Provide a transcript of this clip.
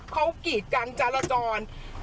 เขากรีดกันจราจร